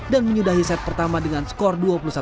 dan menyudahi set pertama dengan skor dua puluh satu sembilan